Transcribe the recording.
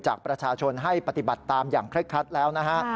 จากประชาชนให้ปฏิบัติตามอย่างเคร่งครัดแล้วนะฮะ